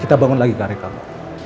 kita bangun lagi karir kamu